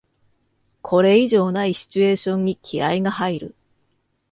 これ以上ないシチュエーションに気合いが入る